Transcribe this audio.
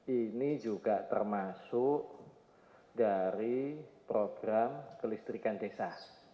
ini juga termasuk dari program kelistrikan desa